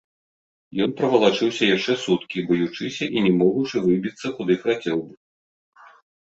Ён правалачыўся яшчэ суткі, баючыся і не могучы выбіцца, куды хацеў бы.